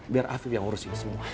biar afidz yang urusin semua